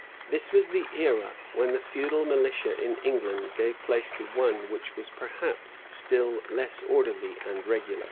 This was the era when the feudal militia in England gave place to one which was perhaps still less orderly and regular.